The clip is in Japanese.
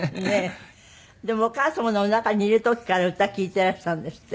でもお母様のおなかにいる時から歌聴いていらしたんですって？